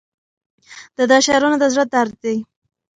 د ده شعرونه د زړه درد دی.